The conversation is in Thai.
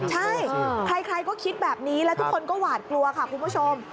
ใช่ใครก็คิดแบบนี้แล้วทุกคนก็หวาดกลัวค่ะคุณผู้ชม